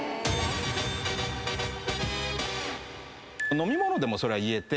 飲み物でもそれは言えて。